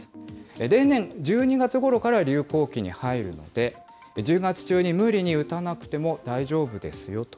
例年、１２月ごろから流行期に入るので、１０月中に無理に打たなくても大丈夫ですよと。